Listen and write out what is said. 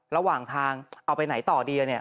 ระหว่างทางเอาไปไหนต่อดีเนี่ย